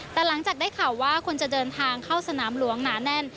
แต่หลังจากได้ข่าวว่าคนจะเดินทางเข้าสนามหลวงหนาแน่น